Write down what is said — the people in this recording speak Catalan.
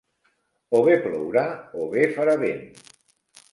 O bé plourà o bé farà vent.